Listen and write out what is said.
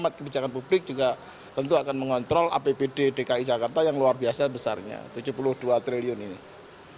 tentu akan mengontrol apbd dki jakarta yang luar biasa besarnya rp tujuh puluh dua triliun ini